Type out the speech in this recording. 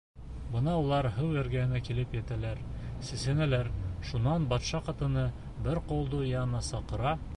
Бына улар һыу эргәһенә килеп етәләр, сисенәләр, шунан батша ҡатыны бер ҡолдо янына саҡыра: